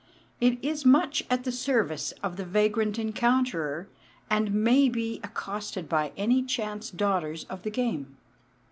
It is much at the service of the vagrant encounterer, and may be accosted by any chance daughters of the game.